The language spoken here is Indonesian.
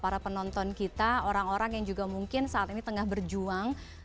para penonton kita orang orang yang juga mungkin saat ini tengah berjuang